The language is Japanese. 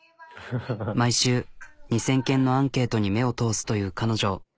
毎週２、０００件のアンケートに目を通すという彼女。